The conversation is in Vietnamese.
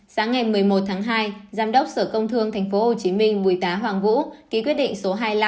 sáng ngày một mươi một tháng hai giám đốc sở công thương tp hcm bùi tá hoàng vũ ký quyết định số hai mươi năm